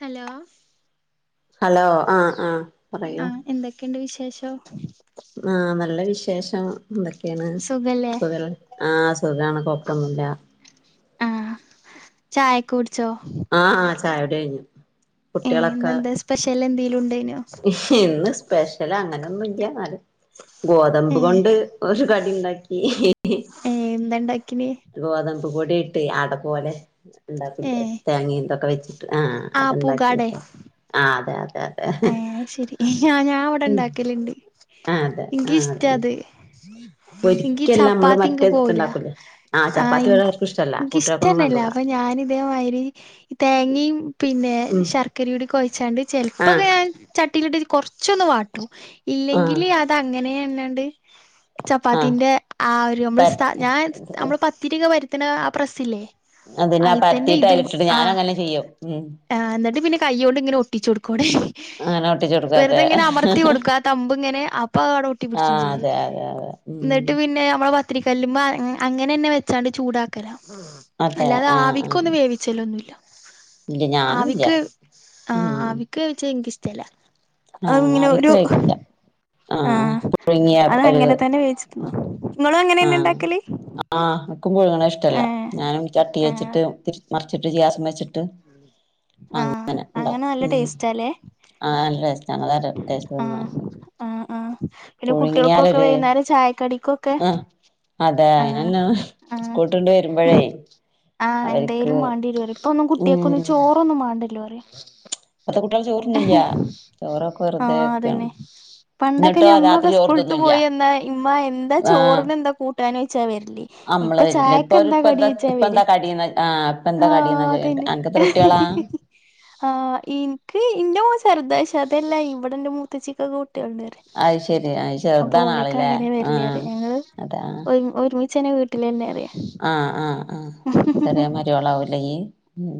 Hello hello ആഹ്‌ ആഹ്‌ ആഹ്‌ എന്തൊക്കെയൊണ്ട് വിശേഷം? ആഹ്‌ നല്ല വിശേഷം എന്തൊക്കെയാണ് സുഖല്ലേ സുഖല്ലെ ആഹ്‌ സുഖാണ് കൊപ്പൊന്നുല്ല ആഹ്‌ ചായേക്ക കുടിച്ചോ? ആഹ് ചായ കുടി കഴിഞ്ഞു ഏഹ്‌ കുട്ടികളൊക്കെ ഇന്നെന്താ സ്പെഷ്യലെന്തേലും ഉണ്ടായിനോ? ഇന്ന് സ്പെഷ്യല് അങ്ങനൊന്നും ഇല്ല്യാന്നാലും ഗോതമ്പ് ഏഹ് കൊണ്ട് ഒരു കടി ഇണ്ടാക്കി ഏഹ്‌ എന്തണ്ടാക്കിനി ഗോതമ്പ് പൊടി ഇട്ട് അട പോലെ ഇണ്ടാക്കില്ലേ ഏഹ് തേങ്ങ ഇന്തൊക്കെ വെച്ച് ആഹ്‌ ആഹ് അതൊണ്ടാക്കി പൂകാടെ ആഹ്‌ അതെ അതെ അതെ ഏഹ് ശരി ഞാ ഞാവടെ ഇണ്ടാക്കലിണ്ട് ആഹ് അതെ ആഹ് അതെ എനിക്ക്ഷ്ടാത് പൊരിക്കല്ല നമ്മള് മറ്റേത് ഇണ്ടാക്കൂലേ? ആഹ് ആഹ്‌ ചപ്പാത്തി ഇവടെ ആർക്കും ഇഷ്ടല്ല കുട്ടികൾക്കൊന്നും എനിക്കിഷ്ടന്നല്ലാ കണ്ടൂടാ അപ്പ ഞാനിതേമാതിരി തേങ്ങിം പിന്നെ ശർക്കരയൂടി കൊഴച്ചാണ്ട് ചെല് ആഹ്‌ ചട്ടിയിലിട്ട് കൊറച്ചൊന്ന് വാട്ടും ആഹ് ഇല്ലെങ്കില് അതങ്ങനെയന്നാണ്ട് ആഹ് ചപ്പാത്തിന്റെ ആഹ്‌ ഒരു അമ്മള് പ സ ഞാൻ അമ്മള് പത്തിരീക്കെ പരത്തണ ആ പ്രസ്സില്ലേ അതിലാ അയിത്തന്നെ പരത്തീട്ട് അയിലേക്കിടും ഞാനങ്ങനെ ചെയ്യും ഉം ആഹ്‌ എന്നിട്ട് പിന്നെ കയ്യോണ്ട് ഇങ്ങനെ ഒട്ടിച്ച് കൊടുക്കോടെ അങ്ങനെ ഒട്ടിച്ചു കൊടുക്കും വെറുതെ അതെ ഇങ്ങനെ അമർത്തി കൊടുക്ക ആഹ് തമ്പിങ്ങനെ അപ്പ ആത് ഒട്ടി പിടിച്ചേ ആഹ് ചെയ്യും അതെ അതെ അതെ ഉം എന്നിട്ട് പിന്നെ അമ്മള് പത്തിരി കല്ലുമ്മ അങ്ങന അങ്ങനെന്നെ വെച്ചാണ്ട് ചൂടാക്കലാ അതെ അല്ലാതെ ആഹ് ആഹ് ആവിക്കൊന്നും വേവിച്ചലൊന്നുല്ല ഇല്ല ഞാനും ഇല്ല ആവിക്ക് ആഹ്‌ ഉം ആവി ക്ക് വച്ചാ എനിക്ക് ഇഷ്ടല്ല അഹ്‌ ആഹ് ഇങ്ങനെ ആവിക്ക് ഒരു കഴിക്കില്ല ആഹ്‌ അതങ്ങനെ തന്നെ വേച്ച് ആഹ്‌ ആഹ്‌ ആഹ്‌ എനക്കും പുഴുങ്ങണ ഏ ഇഷ്ടല്ല ഞാനും ചട്ടി ആ വെച്ചിട്ട് മറിച്ചിട്ട് ഗ്യാസുമ്മെ വെച്ചിട്ട് ആ അങ്ങനെ അങ്ങനെ ഉണ്ടാക്കും നല്ല ഉം ടേസ്റ്റാല്ലേ ആഹ് നല്ല ടേസ്റ്റാ അതാ ടേസ്റ്റ് തിന്നാന് ആഹ് ആഹ് ആഹ് പിന്നെ കുട്ടികൾക്കൊക്കെ പുഴുങ്ങിയാലൊര് വൈകുന്നേരം ചായക്കടിക്കൊക്കെ ആഹ് അതെ ആഹ് ആയിനെന്നാ ആഹ് സ്കൂൾ വിട്ടണ്ട് വരുമ്പഴേ ആഹ് അവര്ക്ക് എന്തേലും മേണ്ടി വരും പറയും. ഇപ്പൊന്നും കുട്ടികൾക്കൊന്നും ഉം ചോറൊന്നും മേണ്ടല്ലോ പറയാ. ഇപ്പത്തെ കുട്ടികള് ചോറു തിന്നൂല്ല. ചോറൊക്കെ വെറുതെ ആഹ് വക്കാണ്. അതന്നെ പണ്ടൊക്കെ ഞമ്മളൊക്കെ സ്കൂളിട്ട് പോയി വന്നാ ഇമ്മ എന്താ ആഹ് ചോറിന് എന്താ കൂട്ടാനെന്ന് ചോയ്ച്ചാ വരല്. അമ്മളെ ഇപ്പൊ വരില്ല ഇപ്പൊ ചായക്കെന്താ കടി ഇപ്പന്താ ചോയ്ച്ചാ വരാ. ഇപ്പന്താ കടീന്ന് ആഹ് ഇപ്പന്താ ആഹ് കടീന്നാ ചോയ്ക്ക അതന്നെ. അനക്കെത്ര കുട്ട്യാളാ ആഹ് എനിക്ക് എന്റെ മോള് ചെറുതാ. പക്ഷെ അതല്ല ഇവിടെ എന്റെ മൂത്തേച്ചിക്കൊക്കെ കുട്ടികള്ണ്ട് പറയാ. അത് ശെരി അത് അപ്പോ ചെറുതാണ് ഓലൊക്കെ ആള്ല്ലേ അങ്ങനെയാ വരല് പറയാ. ആഹ് ഞങ്ങള് അതാ ഒരു ഒരുമി ച്ചന്നെ വീട്ടിലന്നെ പറയാ. ആഹ് ആഹ് ആഹ് ചെറിയ മരിമോളാവൂലെ ഈയ്യ്.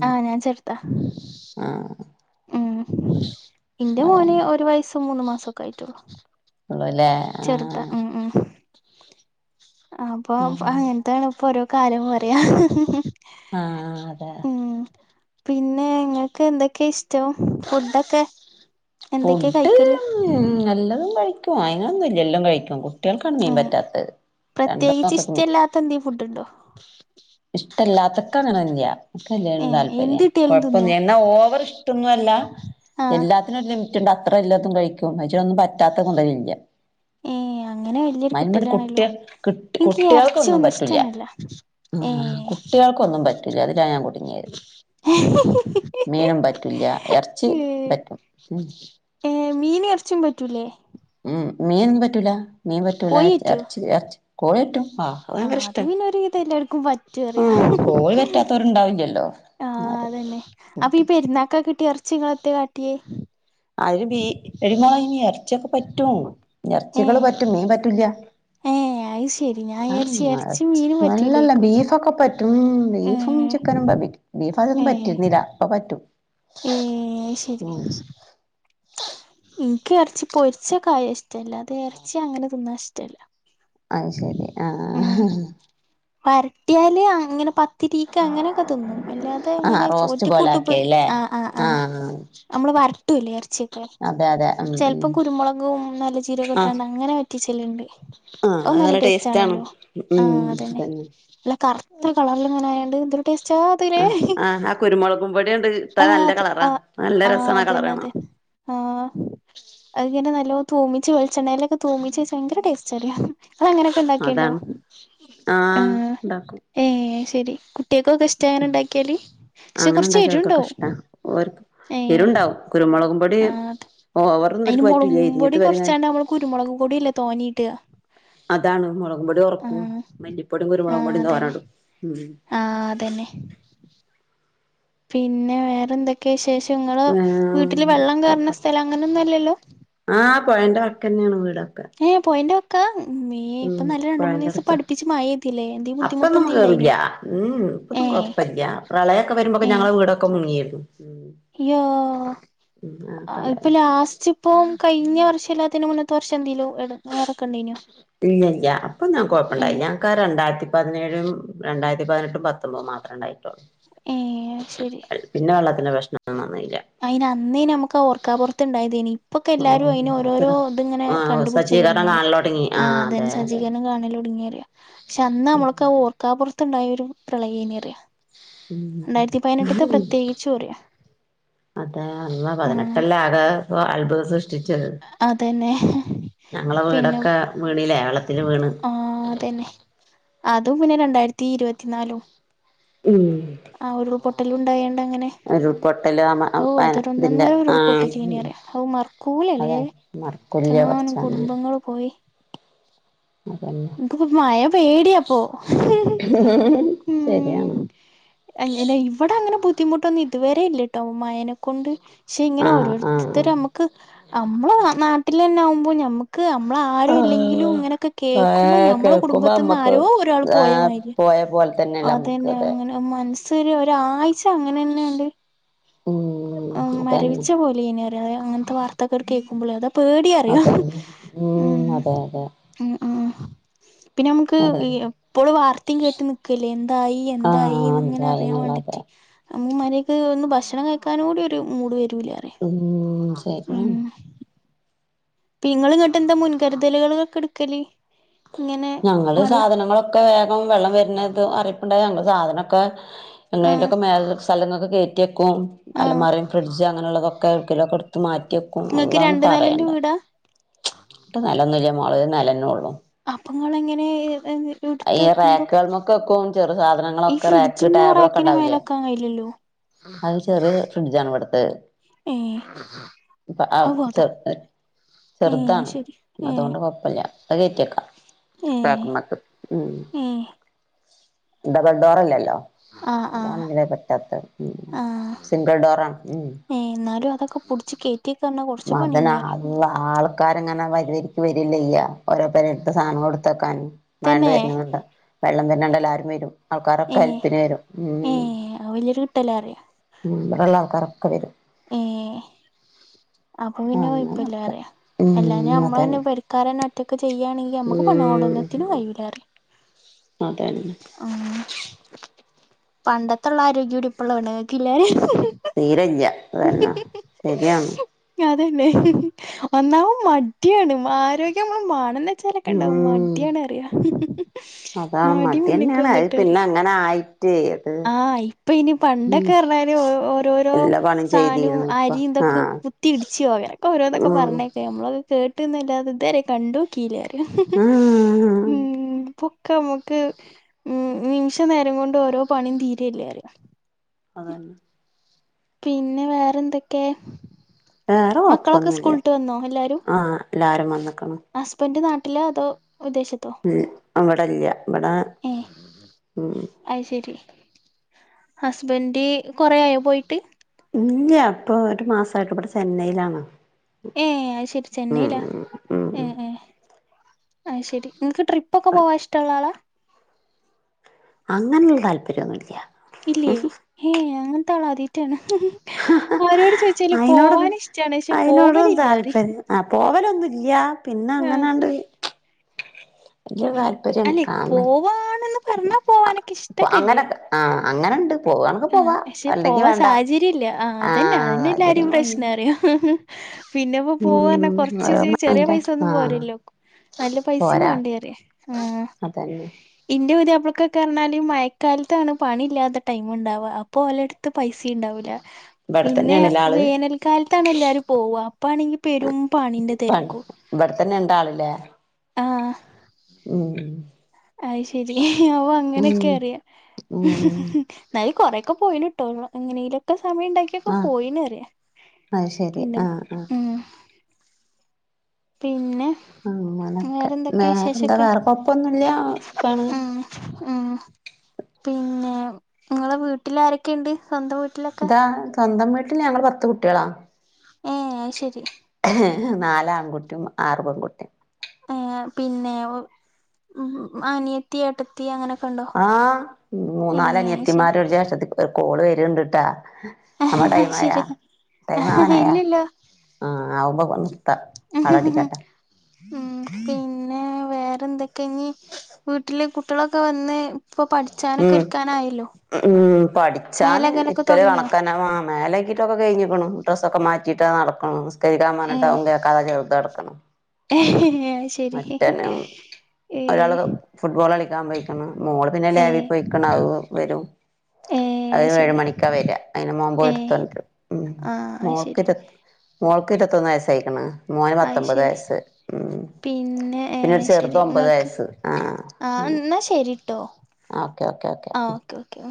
ആഹ് ഞാൻ ചെറുതാ. ആഹ് ഉം എന്റെ മോന് അതന്നെ ഒരു വയസ്സും മൂന്നു മാസം ഒക്കെ ആയിട്ടുള്ളു. ഉള്ളൂല്ലേ ചെറുതാ. ഉം ആഹ് ഉം അപ്പൊ അങ്ങ നത്താണ് ഓരോ കാര്യം പറയാ. ആഹ്. അതെ ഉം പിന്നെ ഇങ്ങക്ക് എന്തൊക്കെയാ ഇഷ് റ്റോ ഫുഡ്ഡൊക്കെ. ഫുഡ് ഉം എല്ലതും കഴിക്കും. അയ്നൊന്നൂല്ല എല്ലാം കഴിക്കും. കുട്ടികൾക്കാണ് മീൻ ഉം പറ്റാത്തത്. രണ്ടു മക്കൾക്കും ത്തന്തേ ഫുഡ് ഉണ്ടോ? ഇഷ്ടല്ലാത്തൊക്കെ അങ്ങനെ തന്നെയാ. ക്കയിലായിരുന്നു ഏഹ് എന്ത് താല്പര്യം. കിട്ടിയാലും തിന്നോ കൊഴപ്പൊന്ന് എന്നാ ഓവർ ഇഷ്ടൊന്നും അല്ല. ആഹ്. ത്തിനൊരു ലിമിറ്റ് ഉണ്ട്. അത്ര ലിമിറ്റ് ഉണ്ടോ അത്ര ഇല്ലാത്തതും കഴിക്കുംഉമ്മച്ചി വന്ന പറ്റാത്ത മുതലില്ല ഏഹ് അങ്ങനെ വലിയൊരു മയ്നുമേണ്ട് കിട്ടലാണല്ലോ കുട്ടിയൾ എനിക്ക് കുട്ടികൾക്കൊന്നും എറച്ചിയൊന്നും പറ്റൂല്ല. ഇഷ്ടന്നല്ല ആഹ് ഹാ ഏഹ് കുട്ടികൾക്ക് ഒന്നും പറ്റൂല്ല. അതിലാ ഞാൻ കുടുങ്ങിയത്. മീനും പറ്റൂല്ല. ഇറച്ചി പറ്റും. ഉം ഏഹ് മീനും ഇറച്ചീം പറ്റൂലേ. ഉം മീൻ പറ്റൂല. മീൻ പറ്റൂല. കോഴി പറ്റുവോ ഇറച്ചി ഇറച്ചി കോഴി പറ്റും. ആ ആഹ് ഭയങ്കര അത് ഇഷ്ട പിന്നെ ഒരുവിധം എല്ലാവർക്കും പ റ്റു പറയാ. ആഹ് കോഴി പറ്റാത്തവരുണ്ടാവില്ലല്ലോ ആഹ് എന്നാലും അതന്നെ അപ്പൊ ഫുഡ് ഈ പെരുന്നാൾക്ക് കിട്ടിയ ഇറ ച്ചി ഇങ്ങള് എന്തേ കാട്ടിയേ? അതിന് ബീ എടീ മോളേ അയ്ന് ഇറച്ചിയൊക്കെ പറ്റും. ഇറച്ചികള് ഏഹ് പറ്റും. മീൻ പറ്റൂല്ല. ഏഹ്. അത് ശെരി ഞാൻ വിചാരിച്ച് എറച്ചിയും മീനും അല്ലല്ല പറ്റൂലേക്കും ബീഫൊക്കെ പറ്റും. ബീഫും ഏഹ് ചിക്കനും പറ്റും ബീഫ് ആദ്യം ഒന്നും ഏഹ് പറ്റിയിരുന്നില്ല. ഇപ്പൊ പറ്റും. ഏഹ് അത് ശരി. ഉം എനക്ക് ഇറച്ചി പൊരിച്ച കായ ഇഷ്ടല്ല. അത് ഇറച്ചി അങ്ങനെ തിന്നാൻ ഇഷ്ടല്ല. അത് ശരി ആഹ് ഉം ഹാ വരട്ടിയാല് അങ്ങനെ പ ത്തിരിക്കെ അങ്ങനെയൊക്കെ തിന്നും. അല്ലാതെ ആഹ് അങ്ങനെ റോസ്റ്റ് ചോറ്റിക്കൂട്ട് പോയ്. പോലാക്കിയല്ലേ ആഹ് ആഹ് ആഹ് നമ്മള് വരട്ടൂല്ലേ ഇറച്ചിയൊക്കെ. അതെ അതെ ഉം ഉം ചെലപ്പോം കുരുമുളകും നല്ല ആഹ് ജീരകക്കെട്ടാണ്ട് അങ്ങനെ വറ്റിച്ചല്ണ്ട് അത് നല്ല ടേസ്റ്റ് ആണല്ലോ. ആഹ് അതന്നെ. നല്ല കറു ത്ത കളറിൽ ഇങ്ങനെ ആയോണ്ട് ഇത് തേലച്ചാ മതീലേ. ആഹ് ആഹ് ആ കുരുമുളകും പൊടിയണ്ട് ഇട്ടാ ആഹ് നല്ല അതെ കളറാ ആഹ് നല്ല രസാണ് ആ കളറ് അതന്നെ കാണാൻ അതന്നെ. ആഹ് അതിങ്ങനെ നല്ലോണം തൂമിച്ച് വെളിച്ചെണ്ണയിലൊക്കെ തൂമിച്ച് വെച്ചാ ഭയങ്കര ടേസ്റ്റാ പറയാ. അതങ്ങനെയൊക്കെ ഉണ്ടാക്കിയേട്ടുണ്ടോ? അതാണ് ആഹ് ഏഹ് ശരി. കു കുട്ടക്കൊക്കെ ഇഷ്ടം അങ്ങനെ ഉണ്ടാക്കിയാല് പക്ഷെ അങ്ങനെ കൊറച്ച ഇണ്ടാക്കിയ ശരു അവർക്കൊക്കെ ഉണ്ടാവും ഇഷ്ടാ ഓര്ക്ക് ഏയ് എരുണ്ടാവും കുരുമുളകും പൊടി അതിന് ഓവർന്നിവർക്ക് പറ്റൂല്ല മുളകുംപൊടി ഇരിഞ്ഞിട്ട് വരങ്ങ കുറച്ചാണ്ട് നമ്മള് കുരുമുളക് പൊടി ല്ലേ തോന്നീയിടാ അതാണ് മുളകും പൊടി ഉറക്കും മല്ലിപൊടി കുരുമുളകുപൊടിയും തോനെ ഇടും ആഹ് അതന്നെ പിന്നെ വേറെ എന്തൊക്കെയ വിശേഷം ഇങ്ങള് വീട്ടില് വെള്ളം കേറുന്ന ഏഹ് സ്ഥലം അങ്ങനെന്നും അല്ലല്ലോ ആഹ് പൊഴേന്റെ വക്കന്നെയാണ് വീടൊക്കെ ഏഹ് പൊയേന്റെ വക്കാ ഏയ് ഇപ്പൊ ഉം നല്ല രണ്ട് മൂന്ന് പൊഴേന്റെ ദിവസം അടുത്താ പഠിപ്പിച്ച് മായതില്ലേ എന്തേ ബുദ്ധിമുട്ട് എന്തി ഇണ്ടായിനോ ഏ അതൊന്നും കൊയപ്പില്ല പ്രളയമൊക്കെ വരുമ്പോൊക്കെ ഞങ്ങളെ വീടൊക്കെ മുങ്ങിരുന്നു അയ്യോ ഇണ്ടായിരുന്നു ഇപ്പ ലാസ്റ്റ് ഇപ്പം കഴിഞ്ഞ വർഷം ഇല്ലാത്തിന് മുന്നത്തെ വർഷം എന്തേലും എടങ്ങേറ്ക്ക ഇണ്ടായിനോ ഇല്ല ഇല്ല അപ്പൊന്നും ഏ കുഴപ്പണ്ടായില്ല ക്ക രണ്ടായിരത്തി പതിനേഴും രണ്ടായിരത്തി പതിനെട്ടും പത്തൊമ്പത് മാത്രേ ഇണ്ടായിട്ടൊള്ളൂ ഏഹ് അയ് ശരി പിന്നെ വെള്ളത്തിന്റെ പ്രശ്നം വന്നീല അയിന് അന്നേ നമുക്ക് ഓർക്കാ പുറത്തുണ്ടായതേനി ഇപ്പൊക്കെ ഓ എല്ലാവാരും അയിന് ഓരോരോ വല്ലാത്തൊരു ഇത് ഇങ്ങനെ ആ കണ്ട് പിടിച്ചൽ സജ്ജീകരണം ഒടുങ്ങിണ് കാണല് തുടങ്ങി ആ ആഹ് അതെ അതന്നെ അതെ സജീകരണങ്ങൾ ആണാലും ഒടുങ്ങേറിയാ പക്ഷെ അന്ന് നമ്മൾക്ക് ഓർക്കാപ്പുറത്തുണ്ടായ ഒരു പ്രളയേനി അറിയോ ഉം രണ്ടായിരത്തി പതിനെട്ടത്തെ പ്രത്യേകിച്ച് പറയാ അതെ അല്ല പതിനെട്ടല്ല ആണ് ഇ അത്ഭുത ഷിച്ച് അതന്നെ ഞങ്ങളെ വീടൊക്കെ വീണിലേ വെള ആ അതന്നെ അതും പിന്നെ രണ്ടായിരത്തി ഇരുപത്തിനാലും ഉം ആ ഉരുൾ പൊട്ടൽ ഉണ്ടായ അങ്ങനെ ഉരുൾപൊട്ടല് ആ മ- ഓ ആ അതൊരു ഇതിന്റെ ഒന്നന്നൊര ഉരുൾ ആ പൊട്ടലീനി ഉം. അറിയോ ഔ അതെ മറക്കൂലല്ലേ മറക്കൂല്ല ഇത്രങ്ങാനും പടച്ചോനെ കുടുംബങ്ങൾ പോയി അതന്നെ എനിക്കിപ്പ മയ പേടിയാപ്പൊ ശരിയാണ് ഉം അങ്ങനെ ഇവിടെ അങ്ങനെ ബുദ്ധിമുട്ടൊന്നും ഇതുവരെ ഇല്ലട്ടോ മയേനെ കൊണ്ട് പക്ഷെ ഇങ്ങനെ ആഹ് ആഹ് ഓരോരുത്തർ നമുക്ക് നമ്മള നാട്ടിൽ തന്ന ആവുമ്പോ ഞമ്മക്ക് ക്ക് നമ്മള് ആരും അല്ലെങ്കിലും ആഹ് ഇങ്ങനെയൊക്കെ കേ ക്കുംമ്പ ആഹ് ഞമ്മള കേൾക്കുമ്പോ കുടുംബത്തിന്ന് അമ്മക്ക് ആരോ ഒരാൾ പോയ ആഹ് മാതിരി പോയ പോലെ തന്നെയല്ലേ അമ്മക്ക് അതന്നെ അതെ അങ്ങനെ മനസ്സിര് ഒരാഴ്ച്ച അങ്ങനെ തന്നെണ്ട് ഉം [inaudible] അതന്നെ മരവിച്ച പോലേനി അറിയൊ അങ്ങനത്തെ വാർത്തകൾ കേൾക്കുമ്പോളേ അതാ പേടി അറിയൊ അതന്നെ ഉം അതെ അതെ ഉം ആ പിന്നെ നമുക്ക് ഈ അതന്നെ ഇപ്പളും വാർത്തേയും കേട്ട് നിക്കല്ലേ എന്തായി ആഹ് എന്തായിന്ന് ഇങ്ങനെ അറിയാൻ എന്തായിന്നുള്ളത് വേണ്ടിട്ട് ഉം മരിയക്ക് ഒന്ന് ഭക്ഷണം കഴിക്കാൻ കൂടി ഒരു മൂട് വരൂല അറിയോ ഉം ശരിയാണ് ഇപ്പ നിങ്ങള് ഇങ്ങട്ടെന്താ മുൻകരുതലുകള് എടുക്കല് ഇങ്ങനെ ഞങ്ങള് വെള്ളം സാധനങ്ങളൊക്കെ വേഗം വെള്ളം വരുന്നത് അറിയിപ്പുണ്ടായ ഞങ്ങള് സാധനൊക്കെ ആഹ് എങ്ങനേലൊക്കെ മേ സ്ഥലങ്ങളൊക്കെ കേറ്റി വെക്കും ആഹ് അലമാരയും ഫ്രിഡ്ജ് അങ്ങനെയുള്ളതൊക്കെ ക്ക എവിടെക്കിലൊക്കെ എടുത്ത് മാറ്റി വെക്കും നിങ്ങക്ക് അല്ലാ ഒന്നും രണ്ട് നിലന്റെ പറയണ്ട വീടാ ഇപ്പ നിലൊന്നുല്ല മോളേ നിലന്നേ ഉള്ളു അപ്പ ഇങ്ങളെങ്ങനെ ഏത എടുത്ത് ഈ വെക്കുമ്പോ റാക്കുകൾമൊക്കെ വെക്കും ചെറു ഈ സാധനങ്ങളൊക്കെ ഫ്രിഡ്ജ് റാക്ക് ടേബിളൊക്കെ [unintelligible] ഉണ്ടാവില്ലേ മേലെക്കാൻ കഴിയില്ലല്ലോ ആഹ് അത് ചെറിയ ഫ്രിഡ്ജാണ് ഇവിടുത്തെ അപ്പ ആ അവു ചെ അതാ ഏഹ് ചെറുതാണ് ശരി ഏഹ് അതൊണ്ട് കൊഴപ്പില്ല അത് കേറ്റി വെക്കാം ഏഹ് [unintelligible] ഉം ഏഹ് ഡബിൾ ഡോറല്ലല്ലോ ആഹ് ആഹ് അതാണല്ലെ പറ്റാത്തെ ഉം ആഹ് സിംഗിൾ ഡോറാണ് ഉം ഏഹ് എന്നാലും അതൊക്കെ പുടിച്ച് കേ വതനാ ആൽ ഉവ്വ ആൾക്കാരങ്ങനെ വരിവരിക്ക് വരല്ലെ ഈ ഓരോ പേരെലത്തെ സാധനങ്ങളെടുത്തുവെക്കൻ മണല് തന്നെ വാരുന്നതുകൊണ്ട് വെള്ളം വരുന്നാ കണ്ട എല്ലാരും വരും ഏ ആൾക്കാരൊക്കെ അൽപ്പിന് വരും ഏ ഉമ് അത് വലിയൊരു കിട്ടലാറിയ ഉമ് ഇവടൊള്ള ആൾക്കാരൊക്കെ വരും ഏഹ് അപ്പൊ പിന്നെ അങ്ങനൊക്കെ കുഴപ്പില്ലറിയ അല്ല ഉം ഞമ്മളന്നെ അതന്നെ കാരണം ഒറ്റക്ക് ചെയ്യുവണെങ്കിൽ നമുക്ക് ഉം പണ്ണോടന്നത്തിന് കയ്യു ലാന്ന് പറയും അ തന്നെ ആഹ് പണ്ടത്തുള്ള ആരോഗ്യൂടി ഇപ്പോള്ള പെണ്ണുങ്ങൾക്കില്ലെ സ്ഥിരല്യ അതന്നെ ശരിയാണ് അത് തന്നെ ഒന്നാവു മട്യാണ് മരോഗ്യം മാണം ന്നെ അച്ചാലൊക്കെ ഉണ്ടാവും ഉം മടിയണറിയ അതാണ് മടി മുന്നേക്ക് മടിയന്നെയാണ് അത് പിന്നെ വന്നിട്ടറിയും അങ്ങനെ ആയിട്ടേ അത് ആഹ് ഇപ്പൊ ഇനി ഉം പണ്ടൊക്കെ പറഞ്ഞാല് ഓരോരോ എല്ലാ പണിയും സാനു ചെയ്തിരുന്നു ഇപ്പ അരിയും ഇതൊക്കെ ആഹ് കുത്തി ഇടിച്ചു ഒക്കെ ഓരോന്നൊക്കെ ഉം പറഞ്ഞേ ഞമ്മളാത് കേട്ടുന്നല്ലാതെ ഇതുവരെ കണ്ടു നോക്കില്ല അറിയോ ആഹ് ക്ക നമ്മുക്ക് ഉമ് നിമിഷനേരം കൊണ്ട് ഓരോ പണിയും തീരല്ലെ പറയ അതന്നെ പിന്നെ വേറെന്തക്കെ വേറെ മക്കളൊക്കെ കൊഴപ്പൊന്നുല്ല സ്കൂള് വിട്ട് വന്നോ എല്ലാരും ആഹ് എല്ലാരും വന്ന്ക്ക്ണ് ഹസ്ബൻഡ് നാട്ടിലൊ അതോ വിദ്ദേശ അവടല്ല ഇവിടെ ഉമ് അയ് ശരി ഹസ്ബൻഡ് കൊറെയയോ പോയിട്ട് ഇല്ല്യ പ്പൊ ഒരു മാസായിട്ടിവിടെ ചെന്നൈയിലാണ് ഏഹ് ആഹ് ശരി ഉം ചെന്നൈലാ ഉം ഏഹ് ഏഹ് ആഹ് ശരി നിങ്ങക്ക് ട്രിപ്പൊക്കെ പോവാ ഇഷ്ട്ടൊള്ളാളാ അങ്ങനൊരു താൽപരൊന്നുല്ല്യ ഇല്ലേ ഏഹ് അങ്ങനതാളാദ്യയിട്ടാണ് കാണ ആരോട് ചോയിച്ചാലും അയിനോട് പോകാനിഷ്ട്ടാണ് പക്ഷെ അയിനോടും പോവലില്ലന്നറിയും താല്പര്യം ആ പോവലൊന്നുല്യ പിന്നെ അങ്ങനാണ്ട് [unintelligible] അല്ലെ കാണ് പോവാണന്ന് പറഞ്ഞാ പോവാനൊക്കെ ഇഷ്ട്ടൊകല്ലേ ആഹ് അങ്ങനൊണ്ട് ആഹ് ക്ഷെ പോവാൻ സാഹചര്യം ഇല്ല ആഹ് ആ അതന്നെ അന്നെ എല്ലാരെം പ്രശ്നം സാഹചര്യങ്ങളങ്ങനെ അറിയോ പിന്നെപ്പോ ഉം പോവാറഞ്ഞാ ഓരോ കൊറച്ച് ചെറിയ മൈൻഡാ പൈസ ഒന്നും ആ പോരല്ലോ നല്ല പൈസയും പോരാ വേണ്ടറിയ ആഹ് അതന്നെ ഇന്റെ പുതിയപ്ലക്കൊക്കെ പറഞ്ഞാല് മഴക്കാലത്താണ് പണി ഇല്ലാത്ത ടൈമ് മുണ്ടാവ അപ്പൊ ഒലടത്ത് പൈസ ഇണ്ടാവൂല്ല പിന്നെ ഇവിടെത്തന്നെയാണ്ല്ലേ ആള് വേനൽക്കാലത്താണ് എല്ലാരും പോവ അപ്പാണെങ്കിപെരും പണിന്റെ പണ് തെരക്കും ഇവിടെത്തന്നെ ഇണ്ടാളില്ലേ ആഹ് ഉമ് അയ് ശരി ഓ അങ്ങനെക്കെ അറിയാം ഉം എന്നാലും കുറൊക്കെ പോയിലൂട്ടോ എങ്ങനെയെലൊക്കെ സമയിണ്ടാക്കി ക്കെ ആ പോയിന്പറയ അത് ശരി പിന്നെ ആ ആ ഉമ് പിന്നെ അങ്ങനൊക്കെ വേറെന്തൊക്കെ വേറെന്താ വിശേഷൊക്കെ വേറെ കൊഴപ്പൊന്നുല്ല സുഖാണ് ആഹ് ഉമ് പിന്നെ നിങ്ങളെ വീട്ടിൽ ആരൊക്കെയുണ്ട് സ്വന്തം വീ ഇതാ സൊന്തം വീട്ടില് ഞങ്ങൾ പത്ത് കുട്ടികളാ മം അത്ശരി നാലാൺകുട്ടിയും ആറ് പെൺകുട്ടിയും ആ പിന്നെ ഉ അനിയ ത്തി ഏ ട്ടെത്തി അങ്ങനൊക്കെണ്ടോ ആഹ് മൂന്നാലനിയത്തിമാര് ഒരു ജേഷ്ട്ടത്തിക്കെ കോള് വരുണ്ട് ട്ടോ നമ്മളെ ടൈമായാ ശെരി ടൈമാവനായാ ഇല്ലല്ലോ ആഹ് ആവുമ്പോ പ നിർത്താ അവിടെ അടിക്കട്ടെ ഉം പിന്നെ വേറെന്തൊക്കെ ഇഞ്ഞി വീട്ടില് കുട്ടികളൊക്കെ വന്ന് ഇപ്പൊ പഠി ചാനൊക്കെ ഇര്ക്കാനായല്ലോ ഉം ഉം പഠിച്ചാന് ഇരിക്കല് തുടങ്ങിയോ കണക്കന്നെ മേലെകി ട്ടൊക്കെകഴിഞ്ഞിക്കുണു ഡ്രസ്സൊക്കെ മാറ്റിട്ടതാനടക്കുണു നിസ്കരിക്കാൻ പറഞ്ഞിട്ട് അതും കേക്കാതെ വെറുതെടുക്കുന്നു അത്‌ശരി ഒരാള് ഫുട്ബോളളിക്കാൻ പോയിക്ക്ണു മോള് പിന്നെ ഏ ലാബിൽ പോയിക്ണ് വരും ഏ [unintelligible] അത് ശരി ഏഴുമണിക്കാ വരാ അതിന് ഏ [unintelligible] ഉം ആ അത് ശരി മോൾക്കൊരു മോൾക്ക് ഇരുപത്തൊന്ന് വയസ്സായിക്കണ് മോന് അത് പത്തൊമ്പത് ശരി വയസ്സ് ഉം പിന്നെ ഏ പിന്നെ ഒരു ചെറുത് ശരി ഒമ്പത് ങ്ങക്ക് വയസ്സ് ആഹ് ആ ന്നാ ശരിട്ടോ ഓക്കെ ഓക്കെ ഓക്കെ ആ ഓക്കെ ഓക്കേ